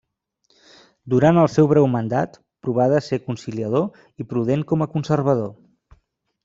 Durant el seu breu mandat, provà de ser conciliador i prudent com a conservador.